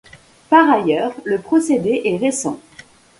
Par ailleurs, le procédé est récent.